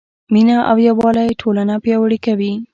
مینه او یووالی ټولنه پیاوړې کوي.